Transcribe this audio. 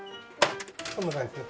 そんな感じで。